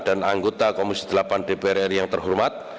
dan anggota komisi delapan dpr ri yang terhormat